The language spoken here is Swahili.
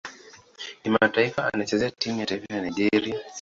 Kimataifa anachezea timu ya taifa Nigeria.